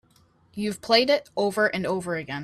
You've played it over and over again.